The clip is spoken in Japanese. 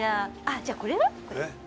じゃあこれは？え？